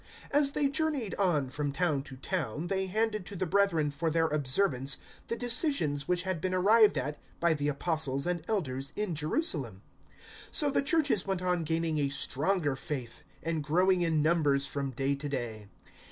016:004 As they journeyed on from town to town, they handed to the brethren for their observance the decisions which had been arrived at by the Apostles and Elders in Jerusalem. 016:005 So the Churches went on gaining a stronger faith and growing in numbers from day to day.